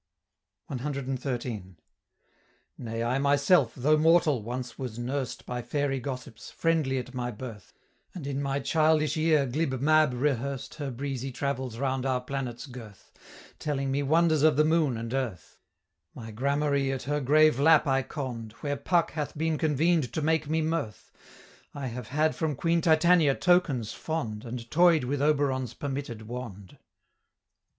CXIII. "Nay I myself, though mortal, once was nursed By fairy gossips, friendly at my birth, And in my childish ear glib Mab rehearsed Her breezy travels round our planet's girth, Telling me wonders of the moon and earth; My gramarye at her grave lap I conn'd, Where Puck hath been convened to make me mirth; I have had from Queen Titania tokens fond, And toy'd with Oberon's permitted wand."